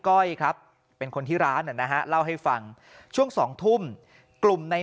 ก้อยครับเป็นคนที่ร้านนะฮะเล่าให้ฟังช่วง๒ทุ่มกลุ่มใน